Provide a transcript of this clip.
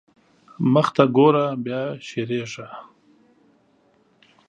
مخته ګوره بيا شېرېږا.